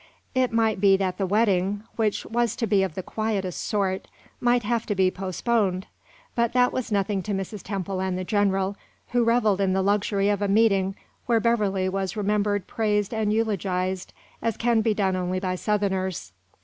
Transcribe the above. It might be that the wedding which was to be of the quietest sort might have to be postponed. But that was nothing to Mrs. Temple and the general, who reveled in the luxury of a meeting where Beverley was remembered, praised, and eulogized as can be done only by Southerners.